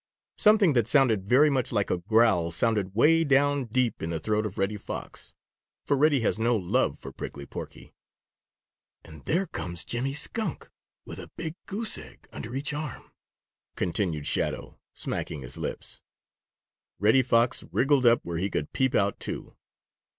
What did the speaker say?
Something that sounded very much like a growl sounded way down deep in the throat of Reddy Fox, for Reddy has no love for Prickly Porky. "And there comes Jimmy Skunk, with a big goose egg under each arm!" continued Shadow, smacking his lips. Reddy Fox wriggled up where he could peep out, too.